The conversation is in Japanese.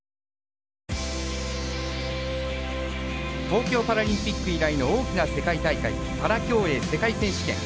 東京パラリンピック以来の大きな世界大会パラ競泳世界選手権。